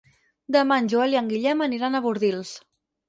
Demà en Joel i en Guillem aniran a Bordils.